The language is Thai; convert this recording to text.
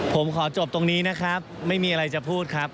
ผมขอจบตรงนี้นะครับไม่มีอะไรจะพูดครับ